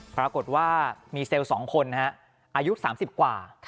ปรากฏว่ามีเซลล์๒คนอายุ๓๐กว่า